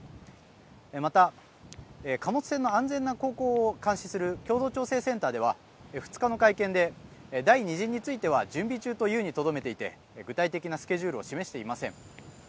また、貨物船の安全な航行を監視する共同調整センターでは２日の会見で、第２陣については準備中というにとどめていて具体的なスケジュールを示していません。